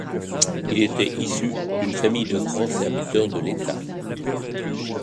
Il était issu d'une famille de grands serviteurs de l'État.